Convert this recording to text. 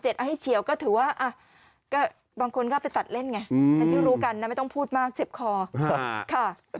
ให้เฉียวก็ถือว่าบางคนก็ไปตัดเล่นไงเป็นที่รู้กันนะไม่ต้องพูดมากเจ็บคอค่ะ